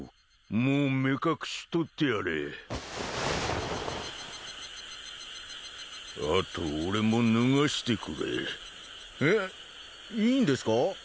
もう目隠し取ってやれあと俺も脱がしてくれえっいいんですか？